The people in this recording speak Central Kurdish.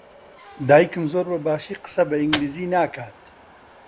دایکم زۆر بەباشی قسە بە ئینگلیزی ناکات.